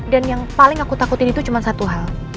dan yang paling aku takutin itu cuma satu hal